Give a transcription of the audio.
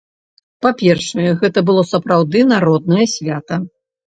Па-першае, гэта было сапраўды народнае свята.